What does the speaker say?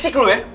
berisik lo ya